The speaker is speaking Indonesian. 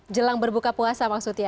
jelang berbuka puasa maksudnya